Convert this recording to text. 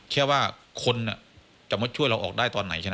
แค่ว่าคนจะมาช่วยเราออกได้ตอนไหนใช่ไหม